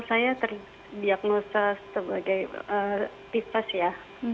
saya terdiagnosa sebagai tifas ya